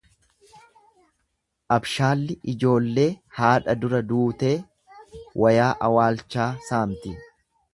Abshaalli ijoollee haadha dura duutee wayaa awwaalchaa saamti.